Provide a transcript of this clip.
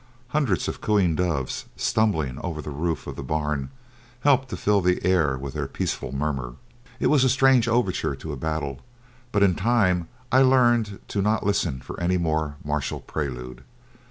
Hundreds of cooing doves, stumbling over the roof of the barn, helped to fill the air with their peaceful murmur. It was a strange overture to a battle, but in time I learned to not listen for any more martial prelude.